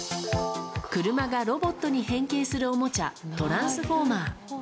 車がロボットに変形するおもちゃ、トランスフォーマー。